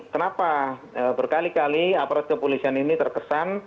kenapa berkali kali aparat kepolisian ini terkesan